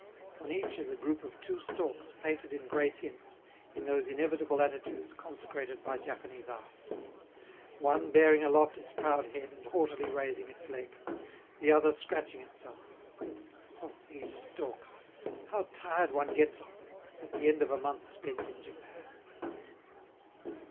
on each is a group of two storks painted in gray tints in those inevitable attitudes consecrated by Japanese art: one bearing aloft its proud head and haughtily raising its leg, the other scratching itself. Oh, these storks! how tired one gets of them, at the end of a month spent in Japan!